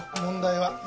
問題は。